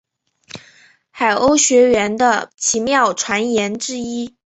海鸥学园的奇妙传言之一。